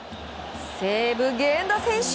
西武、源田選手。